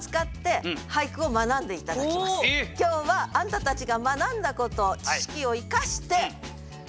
それはね今日はね今日はあんたたちが学んだこと知識を生かして。